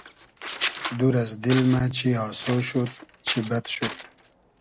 دور از دیل مۂ چی آسۉ شود چی بئد شود